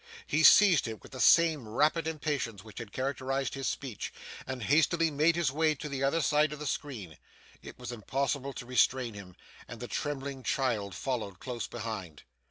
He seized it with the same rapid impatience which had characterised his speech, and hastily made his way to the other side of the screen. It was impossible to restrain him, and the trembling child followed close behind.